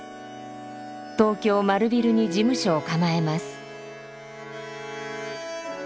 東京丸ビルに事務所を構えます。